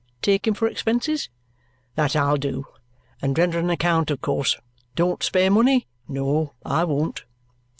Take 'em for expenses? That I'll do, and render an account of course. Don't spare money? No I won't."